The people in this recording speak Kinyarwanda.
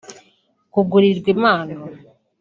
kugurirwa impano